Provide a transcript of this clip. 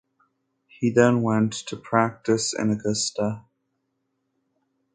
He then went to practice in Augusta.